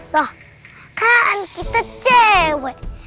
lah kan kita cewek